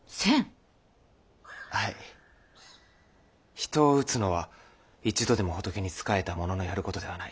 人を打つのは一度でも仏に仕えたもののやることではない。